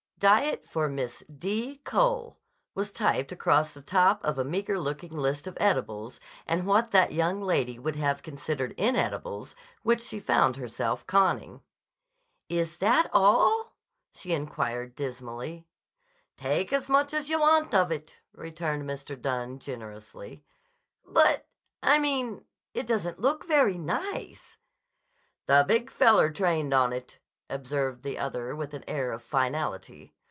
"Diet for Miss D. Cole," was typed across the top of a meager looking list of edibles and what that young lady would have considered inedibles, which she found herself conning. "Is that all?" she inquired dismally. "Take as much as yah want of it," returned Mr. Dunne generously. "But—I mean—it doesn't look very nice." "The Big Feller trained on it," observed the other with an air of finality.